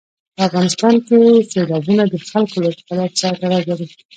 په افغانستان کې سیلابونه د خلکو له اعتقاداتو سره تړاو لري.